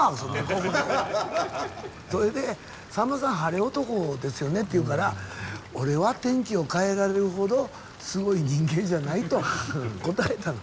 それで「さんまさん晴れ男ですよね」って言うから「俺は天気を変えられるほどすごい人間じゃない」と答えたの。